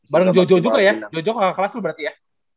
bareng jojo juga ya jojo ke kelas loh berarti ya